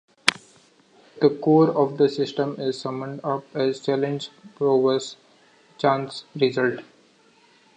The core of the system is summed up as: Challenge, Prowess, Chance, Result.